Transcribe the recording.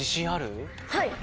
はい！